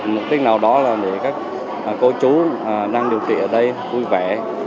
mục đích nào đó là để các cô chú đang điều trị ở đây vui vẻ